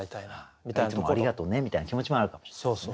「いつもありがとうね」みたいな気持ちもあるかもしれませんね。